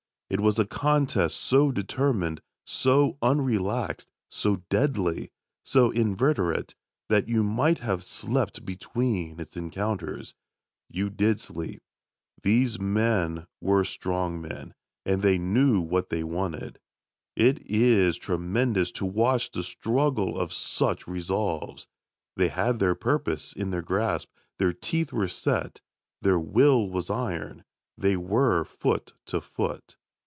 It was a contest so determined, so unrelaxed, so deadly, so inveterate that you might have slept between its encounters. You did sleep. These men were strong men, and knew what they wanted. It is tremendous to watch the struggle of such resolves. They had their purpose in their grasp, their teeth were set, their will was iron. They were foot to foot.